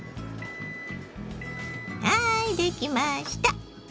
はいできました。